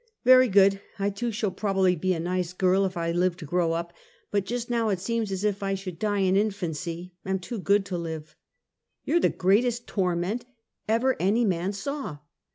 " Yery good ! I too shall probably be a nice girl if I live to grow up, but just now it seems as if I should die in infancy — am too good to live." " You're the greatest torment ever any man saw."